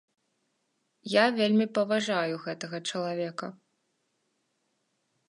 Я вельмі паважаю гэтага чалавека.